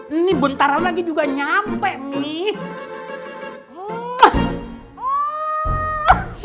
ini bentaran lagi juga nyampe nih